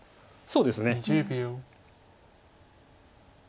そうですね。